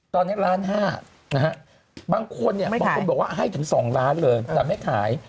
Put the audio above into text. ตอนนี้ล้านห้าบางคนบอกว่าให้ถึง๒ล้านเลยแต่ไม่ขาย